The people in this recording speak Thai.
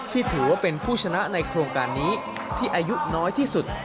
ถือว่าเป็นผู้ชนะในโครงการนี้ที่อายุน้อยที่สุด